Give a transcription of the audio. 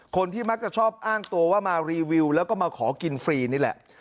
คนที่มักจะชอบอ้างตัวว่ามารีวิวแล้วก็มาขอกินฟรีนี่แหละ